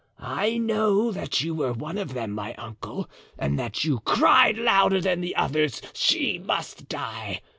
I know that you were one of them, my uncle, and that you cried louder than the others: 'She must die.